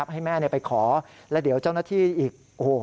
ให้แม่ไปขอแล้วเดี๋ยวเจ้าหน้าที่อีก